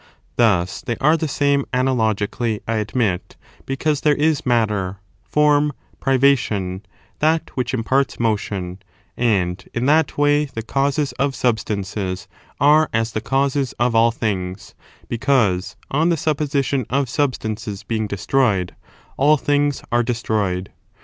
Thus, they are the same analogically, I admit, because there is matter, form, privation, that which imparts motion : and in that way the causes of substances are as the causes of all things, be cause, on the supposition of substances being destroyed, all things are destroyed.